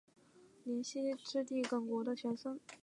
耿弇之弟耿国的玄孙。